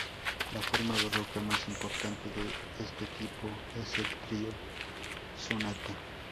La forma barroca más importante de este tipo es el trío sonata.